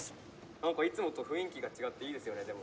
「何かいつもと雰囲気が違っていいですよねでも」。